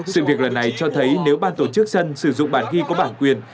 sự việc lần này cho thấy nếu ban tổ chức sân sử dụng bản ghi có bản quyền